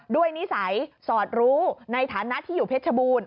นิสัยสอดรู้ในฐานะที่อยู่เพชรบูรณ